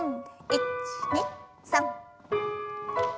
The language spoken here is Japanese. １２３。